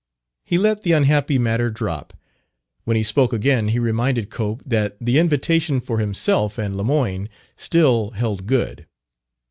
He let the unhappy matter drop. When he spoke again he reminded Cope that the invitation for himself and Lemoyne still held good.